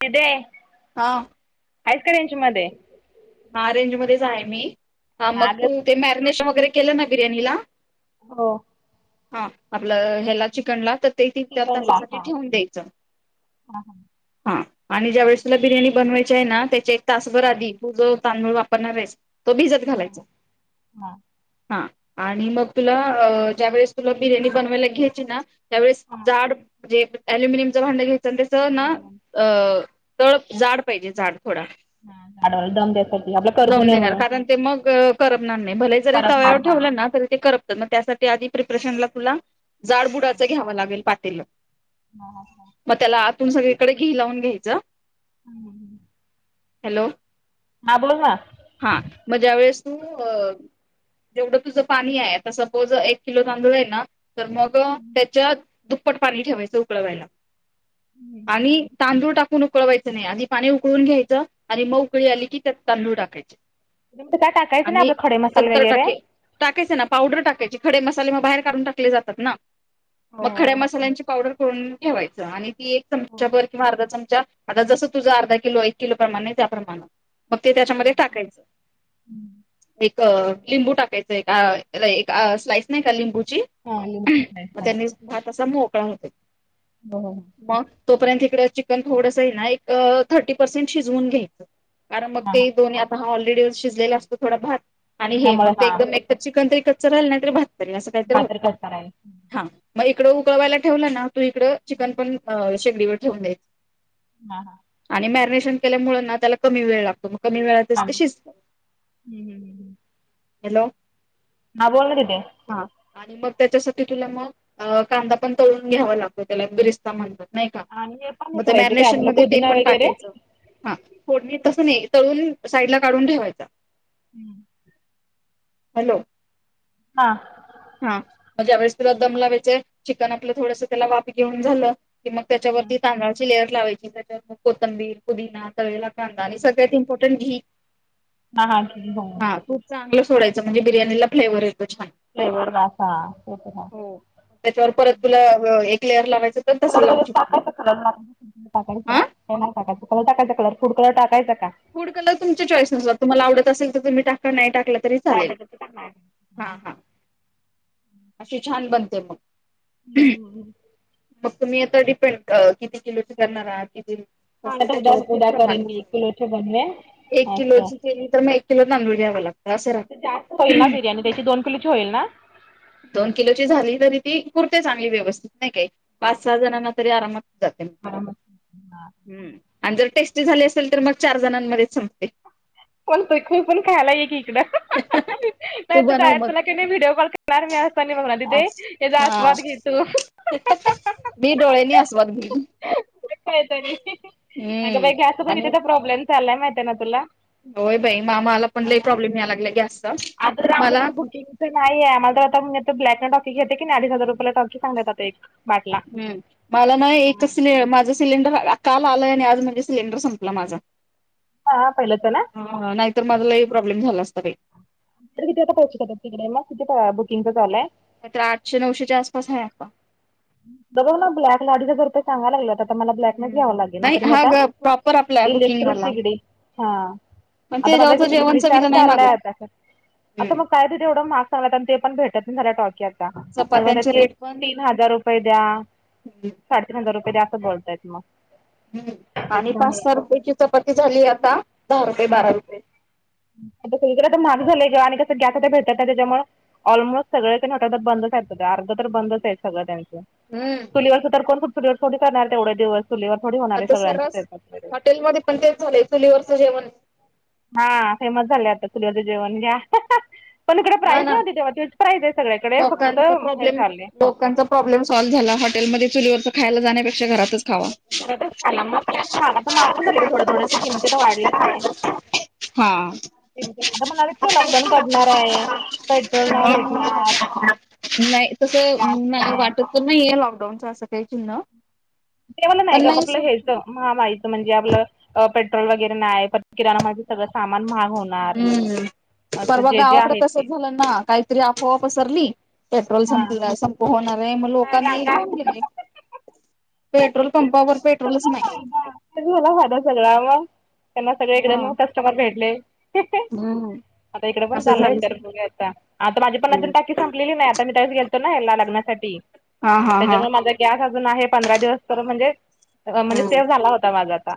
दीदे. हा. आहेस का रेंजमध्ये? हा रेंज मध्येच आहे मी, ह मग अग तू ते मॅरिनेशन वगैरे केलं ना बिर्याणीला. हो. हा आपलं ह्याला चिकनला तर ते तिन, चार चिकनला तासांसाठी हा ठेवून द्यायचं हा हा हा आणि ज्या वेळेस तुला बिर्याणी बनवायची आहे ना त्याच्या एक तासभर आधी तू जो तांदूळ वापरणार आहे तो भिजत घालायचा, हा हा हा. आणि मग तुला अ ज्यावेेळेस तुला बिर्याणी बनवायला घ्यायची ना त्यावेेळेस जाड जे अल्युमिनियमचं भांडं घ्यायचंसं ना अ तळ जाड पाहिजे जाड थोडा. हाडवा दम द्यास [unintelligible] जम देणार कारण ते मग करपणार नाही भले जरी करपणार तव्यावर हा ठेवलं ना तरी ते कर तर मग त्यासाठी आधी प्रिपरेशनला तुला जाडबुडाचं घ्यावं लागेल पातेलं. ह हा. मग त्याला आतून सगळीकडे घी लावून घ्यायचं. हम. [inaudible] हॅलो. हा बोल ना. हा मग ज्या वेळेस तू अ. जेवढं तुझं पाणी आहे आता सपोज एक किलो तांदूळ हाय ना तर मग त्याच्यात दुप्पट पाणी ठेवायचं उकळवायला. आणि तांदूळ टाकून उकळवायच नाही आधी पाणी उकळून घ्यायचं आणि मग ऊकळी आली की त्यात तांदूळ टाकायचे. दुसर काही टाकायचं नाही आपलं खडे मसाले वगैरे? टाकायच ना पावडर टाकायचे खडे मसाले मग बाहेर काढून टाकले जातात ना मग खड्या हो मसाल्यांची पावडर करून ठेवायच आणि ती एक हो चमचा भर किंवा अर्धा चमचा आता जसं तुझं अर्धा किलो एक किलो प्रमाणे त्या प्रमाणे. मग ते त्याच्यामध्ये टाकायचं. एक लिंबू टाकायचं एक, एक स्लाईस नाही का लिंबूची. हा लिंबू मग टाकायचा त्यांनी भात असा मोकळा होतोय. बरं.. मग तोपर्यंत हिकडं चिकन थोडसं आहे ना, एक थर्टी पर्सेंट शिजवून घ्यायचं. कारण मग हा ते हा दोन्ही आता हा ऑलरेडी शिजलेला असतो थोडा भात आणि हे त्याच्यामुळे मग ते हा एकदम एक तर चिकन तरी कच्च राहिल, नाहीतरी भात तरी असं काहीतरी होत भाकर कट करायला हा मग इकडं उकळवायला ठेवला ना, तू इकडं चिकन पण शेगडीवर ठेवून द्यायचं. हा, हा. आणि मॅरिनेशन केल्यामुळे ना, त्याला कमी वेळ लागतो मग कमी वेळात तेच ते शिजतं... हॅलो. हां बोल ना दिदे. हा आणि मग त्याच्यासाठी तुला मग अ कांदा पण तळून घ्यावा लागतो, त्याला 'बिरिस्ता' म्हणतात. नाही का, आणि हे पण हे मग ते करायचं काय मॅरिनेशन आपलं मध्ये ते पुदिना पण वगैरे टाकायचं. हा. फोडणी तसं नाही, तळून साईडला काढून ठेवायचा, हं... हॅलो. हां. हा मग ज्यावेळेस तुला दम लावायचं हाय, चिकन आपलं थोडंसं त्याला वाफ घेऊन झालं कि मग त्याच्यावरती तांदळाची लेअर लावायची, त्याच्यावर मग कोथंबीर, पुदिना, तळलेला कांदा, कांदा आणि सगळ्यात इम्पॉर्टंट घी. हा, हां, तूप हो. हा तूप चांगलं सोडायचं म्हणजे बिर्याणीला फ्लेवरर येतो छान. फ्लेवर ना, हा ते तर आहे. हो त्याच्यावर परत तुला एक लेअर लावायचं, तर तसं कलर लावू वगैरे शकते मग. टाकायचा कलर [unintelligible] टाकायचा. हा ते नाही टाकायचा, कलर टाकायचा, कलर फूड कलर टाकायंचा का? फूड कलर तुमच्या चॉईस नुसार, तुम्हांला आवडत असेल तर तुम्ही टाका, नाही टाकला तरी नाही चालेल. टाकायचा तर नाही टाकायचा. हा, हा.... अशी छान बनते मग. तुम्हीं आता डिपेंड किती किलोची करणार आहात किती? हा नाही तर उद्या त्याच्यावर उद्या प्रमाण करेन मी एक राहतोय किलोचे बनवेन ते, एक असं किलोची. केली तर मग एक किलो तांदूल घ्यावं लाग तं जास्त होईल ना बिर्याणी, त्याची दोन किलोची होईल ना? दोन किलोची झाली तरी ती, पुरते चांगली व्यवस्थित नाही काही. पाच- सहा जणांना तरी आरामात जाते ना. हं.. आणि जर टेस्टी झाली असेल तर मग, चार जणांमध्येच संपते. चालतंय तू पण खायाला ये की इकडं, [unintelligible] तू नाहीतर बनव डायरेक्ट तुला मग का नाही व्हिडिओ कॉल क करणार मी असं आणि म्हणणार, दीदे आज. याचा हा आस्वाद घे तू. [unintelligible] मी डोळ्यांनी आस्वाद घेईन. उगाच काहीतरी, अगं हम्म बाई गॅसचा पण आणि इथं प्रॉब्लेम चाललाय माहिती आहे ना तुला. होय बाई म आम्हांला पण लई प्रॉब्लेम या लागलायं गॅसचा मला इथं नाही आहे आमाला तर आता, ब्लॅकँनं टॉकी घेतयं की नाही, अडीच हजार रुपयाला टॉकी सांगतात आता एक. बाटला हं... मला ना एक सिले माझंच सिलेंडर काल आलाय आणि आज म्हणजे सिलेंडर संपला माझा. हा, हा. पहिलेचं ना? हां, हां.. नाहीतर माझा लई प्रॉब्लेम झाला असता बाई. तर किती आता पाहू शकतात. तिकडे मग किती बुकिंगंचा चालू हाय. नाही तर आठशे, नऊशेच्या आसपास आहे आता. डबल ना ब्लॅक ने अडीच हजार सांगाय लागलं तर मला ब्लॅकनेच घ्यावं हम्म लागेल नाही तर मी हा आता ग प्रॉपर आपला बुकिंग इलेक्ट्रिक वाला शेगडी, हां. पण आता माझा त्याच्यावरच जस्ट जेवण विचार चवीला नाही लागत. चाललाय आता. आता हम्म मग काय ते तेवढ महाग सांगाय लागलेत ते पण भेटत नाहीत झाले आता टॉकी आता आणि म्हणत्यात चपात्यांचे की रेट पण तीन हजार रुपये द्या. हम्म साडेतीन हजार रुपये द्या असं बोलतायेत मग. हम् आणि पाच, त्याच्यामुळे सहा रुपयेची चपाती झाली आता दहा रुपये, बारा हां रुपये. आता सगळीकडे आता महाग झालंयग आणि कसं गॅस आता भेटत नाही त्याच्यामुळं ऑलमोस्ट सगळ [unintelligible] अर्धा तर बंदच आहेत सगळं त्यांच. [unintelligible] [unintelligible] करणार तेवढ्या दिवस चुलीवर थोडी होणारे आता सगळ्यांचा सर्रास स्वयंपाक. हॉटेलमध्ये पण तेच झालेय चुलीवरचं जेवण हा फेमस झालय आता चुलीवरचे जेवण घ्या. पण इकडे हा प्राईज ना नाही होती तेव्हा तीच प्राईज आहे. सगळ्याकडे फक्त हे चाललीय कोणचा प्रॉब्लेम सॉल्व्ह झाला हॉटेलमध्ये चुलीवरचा खायला जाण्यापेक्षा घरातच खावा. [unintelligible] महाग पण झालं की की थोडं थोडंस किमतीत तर वाढल्यात नाय. हा [unintelligible] म्हणालेत की लॉकडाऊन पडणार आहे पेट्रोल नाही भेटणार [unintelligible] नाय तसं गॅस नाय नाही वाटत. पुन्हा येईल लॉकडाऊनच असं काही चिन्ह देवाला नाय पण ग आप नाही आपलं हेच. महामाईच म्हणजे आपलं पेट्रोल वगैरे नाय परत किराणा मालाचं सगळं सामान महाग होणार. हम्म, असं परवा जे जे गावाकडे आहे ते तसंच झालं ना काहीतरी अफवा पसरली. पेट्रोल हा संप संप होणार आहे मग काय लोकांनी रांगा घेऊन गेले. पेट्रोल पंपावर पेट्रोलच नाय. तरी झाला फायदा सगळा मग त्यांना सगळीकडे नो कस्टमर भेटले. [unintelligible] हम्म आता इकडे पण असं चाललंय विचार झालं बघू या आता. आता माझी पण अजून टाकी [unintelligible] त्यावेळीस मी गेलो होतो ना लग्नासाठी हा हा हा. त्याच्यामुळे माझा गॅस अजून आहे पंधरा दिवस तर म्हणजे म्हणजे सेव झाला होता माझा आता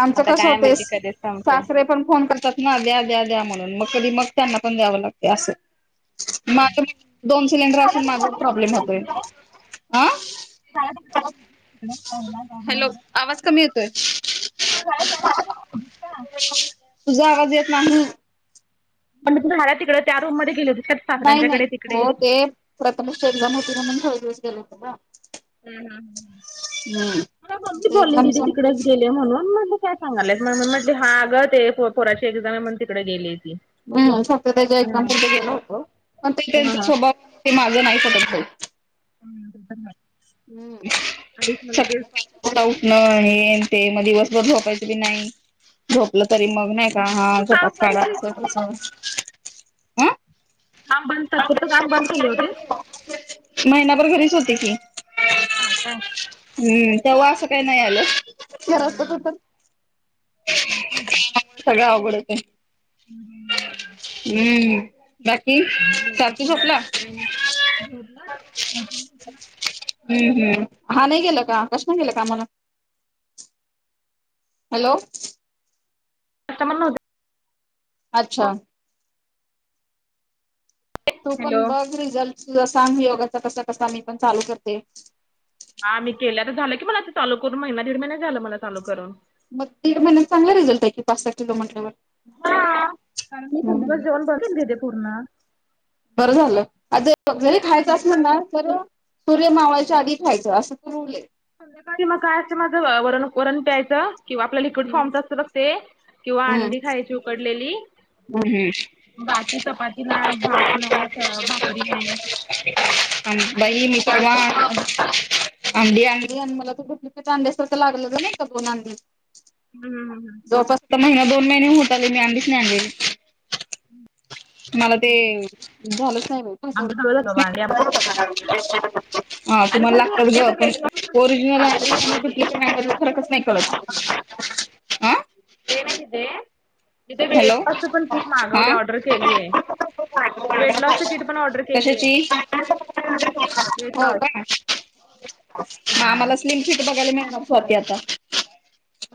आमचं आता कसं काय माहिती होतेस कधी संपतोय. सासरे पण फोन करतात ना द्या द्या द्या म्हणून मग कधी मग त्यांना पण द्यावं लागते असं. माझं दोन सिलेंडर असून माझा प्रॉब्लेम होतोय. अ [unintelligible] [unintelligible] हॅलो, आवाज कमी येतोय. तुझा आवाज येत नाही. म्हणज तु झाला तिकडे त्या रूम मध्ये गेल होते सासऱ्यांच्याकडे तिकडे. प्रथम एक्झाम होती ना म्हणून थोडे दिवस गेल होता ना. हम्म मम्मी ते बोलली एक्झाम तदी संपली तिकडेच गेले म्हणून मग काय सांगालाय म म्हट हा ग ते पुराची एक्साम म्हण तिकडे गेली ती. सत त्याच्या हा एक्झाम प ते गेलं होत पण ते हा त्यांचा हा. स्वभाव ते माझं नाही पटत काही. [unintelligible] हम्म, आलीस मग सत लगेच ड उटण हे ते मग दिवसभर झोपायच बी नाही झोपलं तरी मग नाही [unintelligible] हा तू काम झोपाच बंद काढा केली होतीस की आस तस. काम बंद तात्पुरतं काम बंद केलाय वो ते महिनाभर घरीच होते की [unintelligible] हा काय हम्म तव्हा असं काय नाही आलं, खरं असतं तर आणि कायतर सगळ आवडतय हम्म. हम्म, बाकी सार्थी झोपला बाकी काय नाही, झोपला तो अजून झोपला [unintelligible] हम्, हम हा नाही गेलं का, कस नाही गेलं कामाला? हॅलो कस्टमर नव्हते अच्छा तू पण हॅलो. बघ रिझल्ट, सांग योगाचा कसा कसा मी पण चालू करते हा मी केल्या तर झालं की मला ते चालू करून महिना दीड महिने झाला मला चालू करून. मग तीन महिन्यात चांगला रिझल्ट हाय की पाच सहा किलो म्हटल्यावर हा, कारण मी संध्याकाळच हम्म. जेवण बंद केलंय ते पुर्ण बरं झालं, आ ज सगळं खायचं असल संध्याकाळी ना, तर सूर्य मावळाच्या आधी खायचं असं फ्रुरुले संध्याकाळचं मग काय असते माझं वर, वरण प्यायचं किंवा आपल्या लिक्विड हम्म. फॉर्मच असतं बघ ते किंवा हम्म. अंडी खायची उकडलेली बाकी चपाती नाय, भात नाय, भाकरी नाही आमं आणि बाई मी परवा सकाळचं मग अंडी आणली आणि मला ते डुबलीकेट अंड्यासारखं लागल नाही का दोन अंडी हम्म, हम्म जवळपास, महिना दोन महिने होत आले मी अंडीचं नाही आणलेली मला ते झालंच नाही फसवलं आमच्या जवळ जातो भांडी [unintelligible] हा आणि तुम्हाला मागवली लागतात ते आम्ही गं आता पण वेट लॉस ओरिजिनल मागवले अंडी आणि मागवले. डुबलीकेट अंडी फरकच नाही कळत हं ते नाही तिथे, तिथे हॅलो ब्रेसफास्टच पण किट मागवली हा ऑर्डर केलीय आहे कशाची? वेट होय लॉस का मग आम्हाला स्लिम फीट बघायला मिळणार स्वाती आता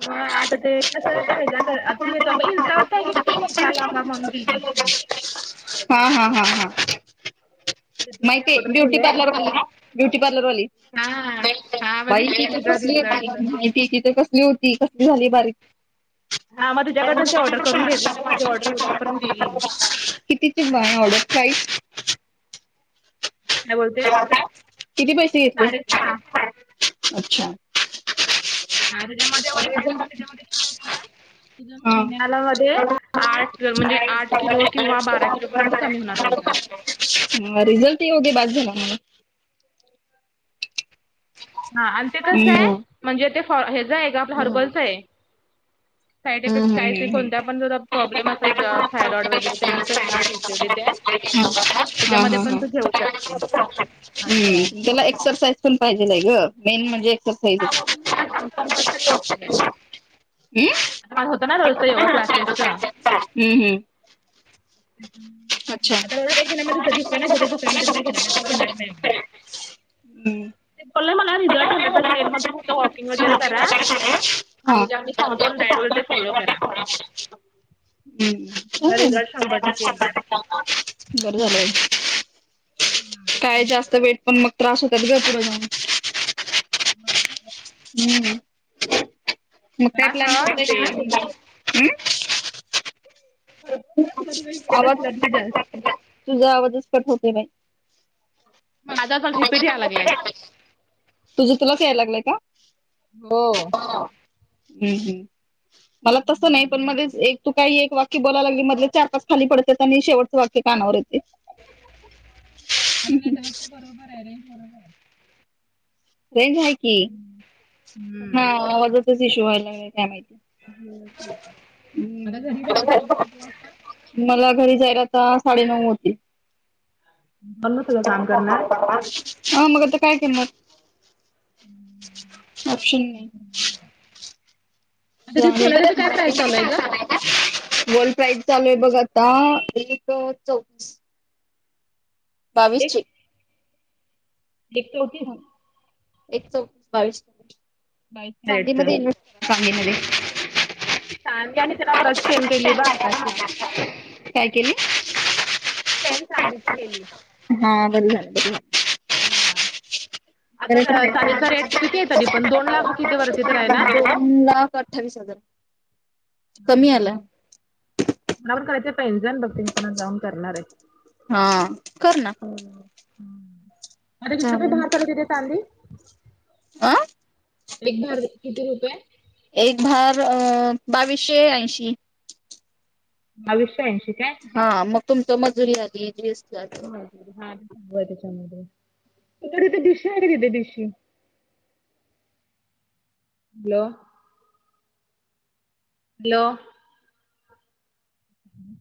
म आता ते कस ते ह्याच्या [unintelligible] कळतंय की ती निशा लांबा म्हणून दीदीची हा, हा, हा, हा तिथून ते माहितीय, ऑर्डर ब्युटी केलंय पार्लरवाला ना ब्युटी पार्लरवाली हां, हां बाई बघितलीस ती का तर तिचा कसली रिझल्ट? होती, माहितीय ती कसली होती, कसली झाली बारीक हा म तुझ्याकडंन येईल. [unintelligible] किती कि ऑर्डर प्राईस काय बोलते? किती पैसे घेतले? साडेसहा अच्छा त्येज्यामध्ये वरून त्येज्यामध्ये किट असत ना त्येज्यामध्ये हा महिन्याला म्हणजे, आठ म्हणजे आठ किलो, बारा किलो पर्यंत कमी होणार वजन हा रिझल्ट येऊ दे बास झाल आम्हाला हा आणि ते कसंय, हम्म. म्हणजे ते फ हेज हाय का आपलं हम्म हर्बलच हाय साईड इफेक्ट हम्म काहीच नाही, हम्म कोणता पण दुधात प्रॉब्लेम असेल थायरॉइड वगैरे ते नसेल ना, पी. सि. ओ. डी. त ये. हां हां तुला शकते. असं आहे. एक्सरसाइज- तुन पाहिजेय ग मेन म्हणजे- [inaudible] हां वॉकिंग तुला सांग कंपल्सरी हं पाण होतं ना रोल, हं, आता हं, मला एक महिन्यामध्ये दुसऱ्या नाही जरी दुसऱ्या महिन्यामध्ये घेणार नाही तर अच्छा, घेणार हं कळलंय मला, रिझल्ट हंडेड पर्सेंट येलण म्हणताय फक्त वॉकिंग वगैरे करा. आणि, त्या आम्ही सांगतो डाईट वर ते फॉलो करा. हा. हं मला काय रिझल्ट शंभर झालं, टक्के येणार. बर झालंय, काय जास्त वेट पण मग- त्रास होतात ग, पुढे जाऊन. मम्मी... हं, मग काय त्रास प्लॅन ना ते करतय. अ वेट आवाज असल्यावरती जास्त. तुझा आवाजच कट होतय बाई, माझ जाल रिपीट यायला लागलाय. तुझं, तुलाच यायला लागलाय का? हो हं, मला तस नाही पण, मध्ये एक तू काही एक वाक्य- ''बोलाय लागली मधले चार-पाच खाली पडत्या आणि शेवटचं वाक्य कानावर पडते. '' [unintelligible] बरोबर आहे, रेंज बरोबर आहे. रेंज आहे की, हम्म. हा आवाजचाच इशू व्हायलाग काय माहिती, आता घरी हम्म. दवत तिथे कुठ वाता. मला, घरी जायला आता साडेनऊ वाजतील होती. पण मग सगळं अ, काम करणार. मग आता काय करणार. हं ऑप्शन नाही. हं [unintelligible] वर्ल्ड काय प्राईस चालू आहे गं? प्राईज चालू आहे बघ आता, एक चौतीस, बावीस ची एककोणतीस, एक चौस बावीस, बावीस कॅरेटचं. चांदीमध्ये इन्व्स्ट चांदी मध्ये, चांदी, आणि त्याना परास चेन केली बा आकाशला, काय केली? चेन चांदीची केली. ह बरं झालं बरं झालं. हा, आता बरंच राहिलं चादी चा रेट किती आहे? तरी पण दोन लाख किती वरती तर आहे ना, ना कर, अठ्ठवीस हजार, कमी आला नवीन कलरचे पैंजण बघते मी पण, आज जाऊन करणार आहे. हा कर ना, हं हं, चित्रप आहे चालेल बाहेर खरेदीले चालली, आं एक भर किती रुपये? एक भार, अ बावीसशे ऐंशी, बाविसशे ऐंशी, काय? हां, मग तुमच मजुरी आली जीएसटी आलं. हा सग त्याच्यामध्ये तथे डिश आहे का तिथे डिशशी. हॅलो. हॅलो. हम्.